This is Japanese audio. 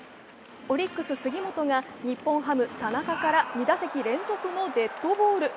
オリックス・杉本が日本ハム・田中から２打席連続のデッドボール。